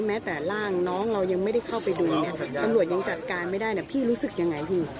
แม้แต่ร่างน้องเรายังไม่ได้เข้าไปดูน้องรอบรองยังจัดการไม่ได้